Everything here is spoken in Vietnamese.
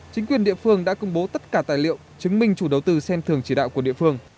chính quyền địa phương đã công bố tất cả tài liệu chứng minh chủ đầu tư xem thường chỉ đạo của địa phương